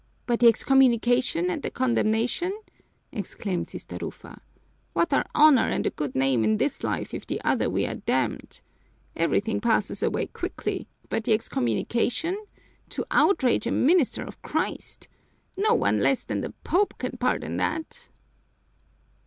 "But the excommunication and the condemnation?" exclaimed Sister Rufa. "What are honor and a good name in this life if in the other we are damned? Everything passes away quickly but the excommunication to outrage a minister of Christ! No one less than the Pope can pardon that!"